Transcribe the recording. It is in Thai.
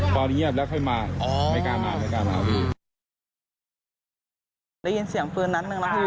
สาเหตุมันจากเรื่องอะไร